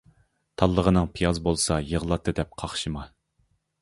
تاللىغىنىڭ پىياز بولسا يىغلاتتى دەپ قاقشىما.